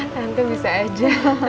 kan tuh bisa aja